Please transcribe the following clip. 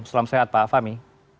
selam sehat pak fahmi